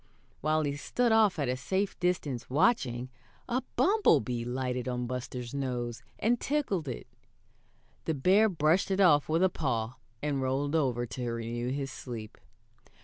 While he stood off at a safe distance watching, a bumblebee lighted on Buster's nose and tickled it. The bear brushed it off with a paw, and rolled over to renew his sleep.